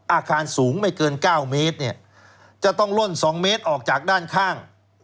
อาคารสูงไม่เกิน๙เมตรเนี่ยจะต้องล่น๒เมตรออกจากด้านข้าง